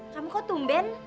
kamu kok tumben